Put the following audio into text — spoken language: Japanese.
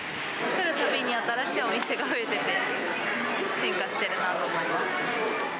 来るたびに新しいお店が増えてて、進化してるなと思います。